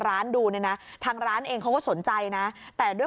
ก็ไม่รู้ว่าจะต้องตั้งเท่าไหร่ดี